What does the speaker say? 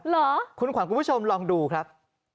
เหรอคุณขวัญคุณผู้ชมลองดูครับ